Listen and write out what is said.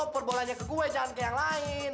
perbolaan saya tidak seperti yang lain